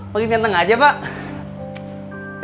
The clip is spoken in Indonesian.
pagi tianteng aja pak